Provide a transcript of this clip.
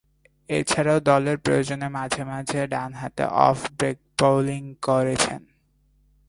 এছাড়াও, দলের প্রয়োজনে মাঝেমাঝে ডানহাতে অফ ব্রেক বোলিং করেছেন।